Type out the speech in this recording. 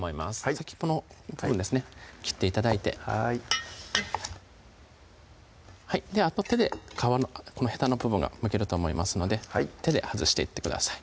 先っぽの部分ですね切って頂いてはいあと手で皮のへたの部分がむけると思いますので手で外していってください